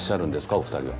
お二人は。